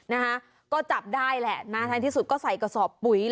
นะคะก็จับได้แหละนะท้ายที่สุดก็ใส่กระสอบปุ๋ย